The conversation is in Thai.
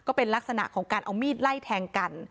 ก็เป็นลักษณะของการเอามีดไล่แทงกัน